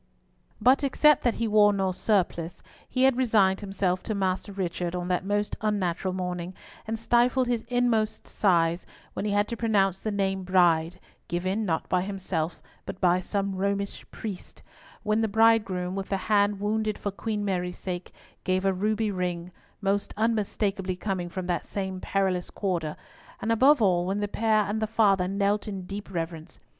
But, except that he wore no surplice, he had resigned himself to Master Richard on that most unnatural morning, and stifled his inmost sighs when he had to pronounce the name Bride, given, not by himself, but by some Romish priest—when the bridegroom, with the hand wounded for Queen Mary's sake, gave a ruby ring, most unmistakably coming from that same perilous quarter,—and above all when the pair and the father knelt in deep reverence.